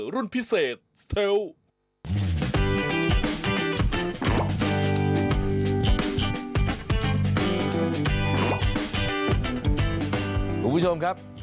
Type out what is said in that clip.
คุณผู้ชมครับ